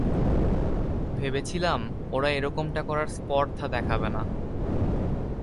ভেবেছিলাম, ওরা এরকমটা করার স্পর্ধা দেখাবে না।